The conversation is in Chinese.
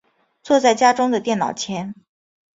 坐在家中的电脑前